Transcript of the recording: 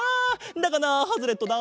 だがなハズレットだ。